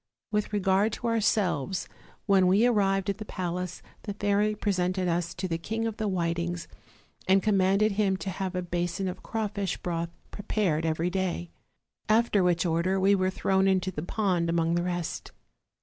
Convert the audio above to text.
With regard to ourselves, when we arrived at the palace the fairy presented us to the King of the Whitings, and commanded him to have a basin of crawfish broth prepared every day. After which order we were thrown into the pond among the rest.